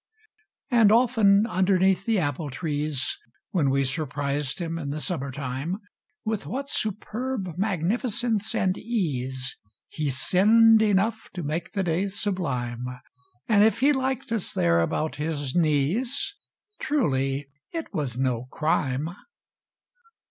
|66] And often, underneath the apple trees, When we surprised him in the summer tune, With what superb magnificence and ease He sinned enough to make the day sublime I And if he liked us there about his knees, . Truly it was no crime.